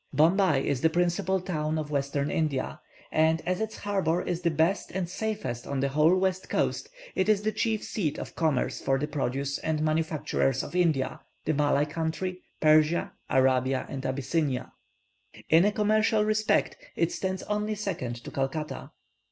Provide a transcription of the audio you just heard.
Bombay is the principal town of Western India, and as its harbour is the best and safest on the whole west coast, it is the chief seat of commerce for the produce and manufactures of India, the Malay country, Persia, Arabia, and Abyssinia. In a commercial respect, it stands only second to Calcutta.